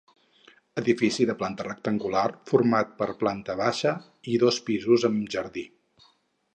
Edifici de planta rectangular format per planta baixa i dos pisos, amb jardí.